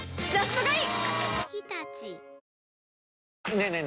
ねえねえ